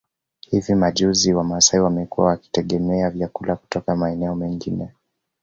Hivi majuzi wamasai wamekuwa wakitegemea vyakula kutoka maeneo mengine